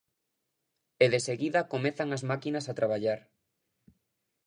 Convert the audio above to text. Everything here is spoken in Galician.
E de seguida comezan as máquinas a traballar.